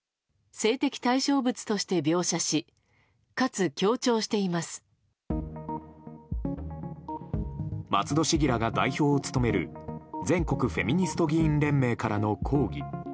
性的対象物として描写し松戸市議らが代表を務める全国フェミニスト議員連盟からの抗議。